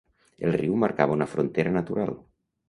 El riu marcava una frontera natural.